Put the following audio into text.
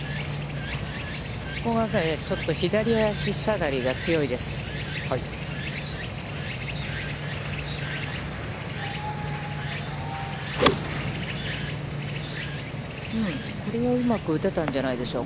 ここがちょっと左足下がりが強いです。